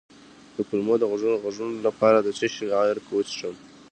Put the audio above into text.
د کولمو د غږونو لپاره د څه شي عرق وڅښم؟